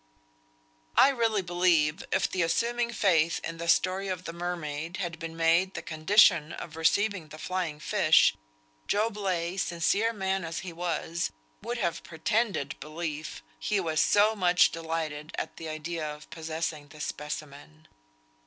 I really believe if the assuming faith in the story of the mermaid had been made the condition of receiving the flying fish, Job Legh, sincere man as he was, would have pretended belief; he was so much delighted at the idea of possessing this specimen.